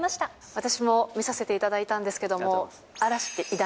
私も見させていただいたんですけれども、偉大？